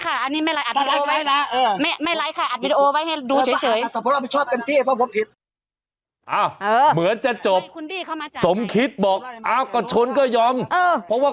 แต่ทำไมถึงเซมาชนน่องไปหรอ